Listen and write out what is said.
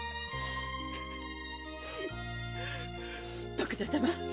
徳田様。